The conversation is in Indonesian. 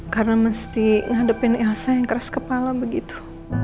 karena mesti nghadepin elsa yang keras kepala begitu